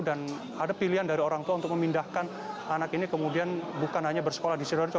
dan ada pilihan dari orang tua untuk memindahkan anak ini kemudian bukan hanya bersekolah di sidoarjo